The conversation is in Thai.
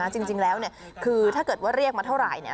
จริงแล้วคือถ้าเกิดว่าเรียกมาเท่าไหร่